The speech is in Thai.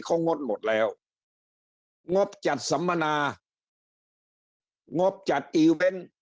เขางดหมดแล้วงบจัดสัมมนางงบจัดอีเวนต์